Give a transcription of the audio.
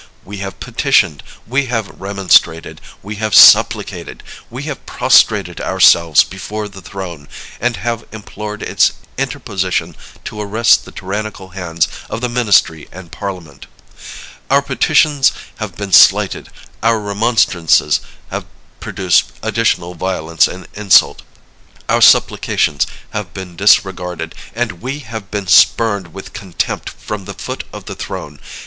We have petitioned, we have remonstrated, we have supplicated; we have prostrated ourselves before the throne, and have implored its interposition to arrest the tyrannical hands of the ministry and Parliament. Our petitions have been slighted; our remonstrances have produced additional violence and insult; our supplications have been disregarded; and we have been spurned with contempt from the foot of the throne.